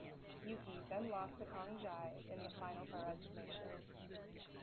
Yuki then lost to Kong Jie in the final by resignation.